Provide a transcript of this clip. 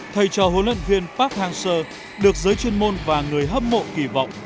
thầy trò huấn luyện viên park hang seo được giới chuyên môn và người hâm mộ kỳ vọng